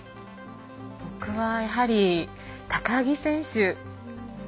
僕はやはり、高木選手。